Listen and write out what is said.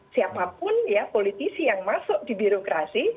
siapapun ya politisi yang masuk di birokrasi